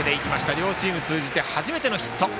両チーム通じて初めてのヒット。